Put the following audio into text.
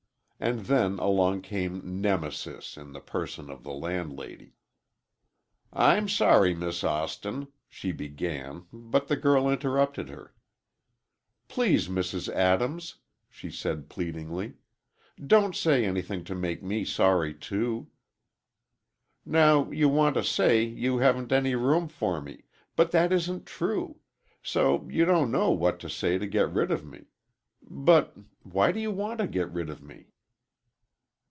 And then along came Nemesis, in the person of the landlady. "I'm sorry, Miss Austin," she began, but the girl interrupted her. "Please, Mrs. Adams," she said, pleadingly, "don't say any thing to make me sorry, too! Now, you want to say you haven't any room for me—but that isn't true; so you don't know what to say to get rid of me. But—why do you want to get rid of me?"